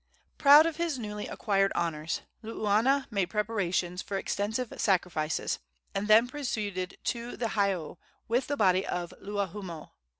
Proud of his newly acquired honors, Luuana made preparations for extensive sacrifices, and then proceeded to the heiau with the body of Luahoomoe.